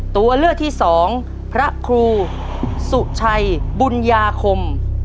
ตัวเลือกที่สองพระครูสุชัยบุญญาคม